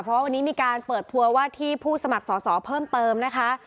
เพราะวันนี้มีการเปิดทัวร์ว่าที่ผู้สมัครสอสอเพิ่มเติมนะคะ